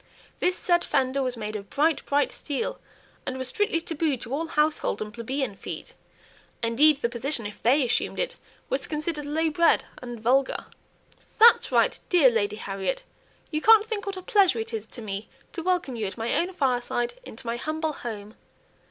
This said fender was made of bright, bright steel, and was strictly tabooed to all household and plebeian feet; indeed the position, if they assumed it, was considered low bred and vulgar. "That's right, dear Lady Harriet! you can't think what a pleasure it is to me to welcome you at my own fireside, into my humble home."